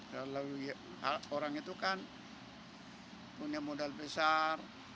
kalau orang itu kan punya modal besar